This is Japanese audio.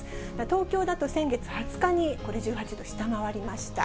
東京だと、先月２０日にこれ、１８度下回りました。